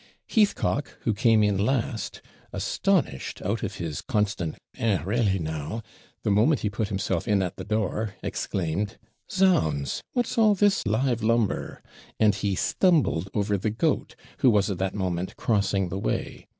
Heathcock, who came in last, astonished out of his constant 'Eh! re'lly now!' the moment he put himself in at the door, exclaimed, 'Zounds! what's all this live lumber?' and he stumbled over the goat, who was at that moment crossing the way.